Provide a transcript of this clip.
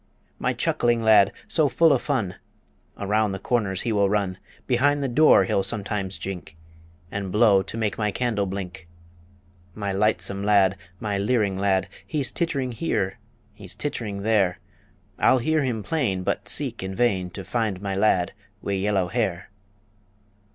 My chuckling lad, so full o' fun, Around the corners he will run; Behind the door he'll sometimes jink, And blow to make my candle blink. My lightsome lad, my leering lad, He's tittering here; he's tittering there I'll hear him plain, but seek in vain To find my lad wi' yellow hair.